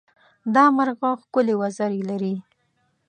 دا مرغه ښکلې وزرې لري.